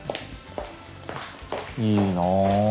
いいなあ。